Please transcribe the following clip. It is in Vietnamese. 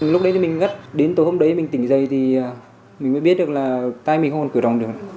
lúc đấy thì mình ngất đến tối hôm đấy mình tỉnh dậy thì mình mới biết được là tay mình không còn cửa đồng được